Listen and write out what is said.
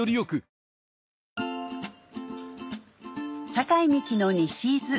酒井美紀の西伊豆